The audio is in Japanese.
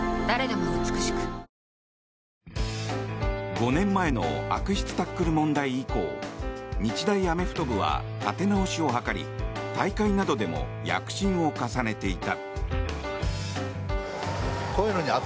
５年前の悪質タックル問題以降日大アメフト部は立て直しを図り大会などでも躍進を重ねていた。